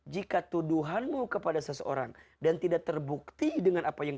jika tuduhanmu kepada seseorang dan tidak terbukti dengan apa yang